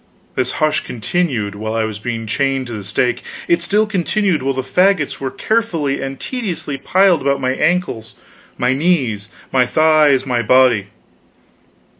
This hush continued while I was being chained to the stake; it still continued while the fagots were carefully and tediously piled about my ankles, my knees, my thighs, my body.